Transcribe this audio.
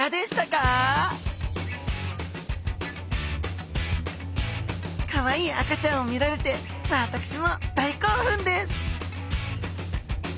かわいい赤ちゃんを見られて私も大興奮です！